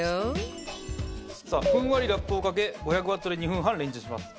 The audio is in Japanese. ふんわりラップをかけ５００ワットで２分半レンチンします。